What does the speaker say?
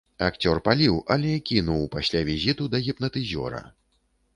Акцёр паліў, але кінуў пасля візіту да гіпнатызёра.